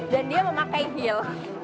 dan dia memakai heel